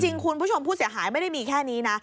คุณผู้ชมผู้เสียหายไม่ได้มีแค่นี้นะ